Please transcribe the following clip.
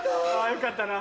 よかったな。